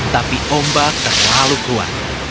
tapi ombak terlalu kuat